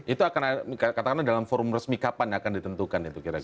itu akan katakan dalam forum resmi kapan akan ditentukan itu kira kira